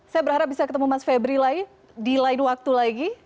saya berharap bisa ketemu mas febri lagi di lain waktu lagi